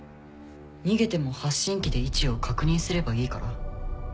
逃げても発信器で位置を確認すればいいから？